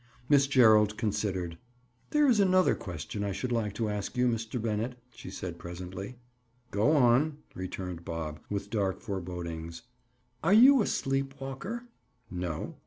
Miss Gerald considered. "There is another question I should like to ask you, Mr. Bennett," she said presently. "Go on," returned Bob, with dark forebodings. "Are you a sleep walker?" "No."